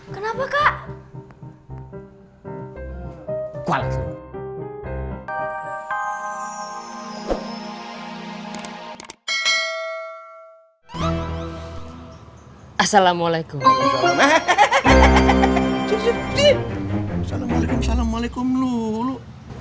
salamualaikum salamualaikum lu